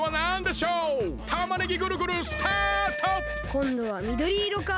こんどはみどりいろか。